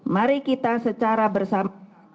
mari kita secara bersama